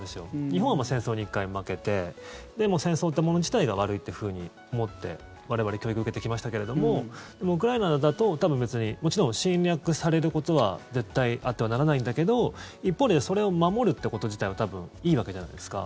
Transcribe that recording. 日本は戦争に１回負けてで、戦争っていうもの自体が悪いっていうふうに思って我々、教育を受けてきましたけどでも、ウクライナだともちろん侵略されることは絶対あってはならないんだけど一方でそれを守るということ自体は多分、いいわけじゃないですか。